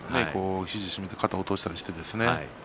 肘をしめて肩を落としてですね。